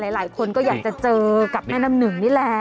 หลายคนก็อยากจะเจอกับแม่น้ำหนึ่งนี่แหละ